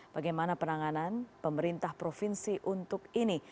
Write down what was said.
bagaimana penanganan pemerintah provinsi untuk ini